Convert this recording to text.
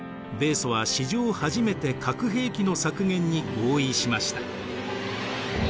米ソは史上初めて核兵器の削減に合意しました。